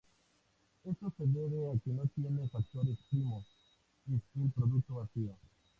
Esto se debe a que no tiene factores primos: es el producto vacío.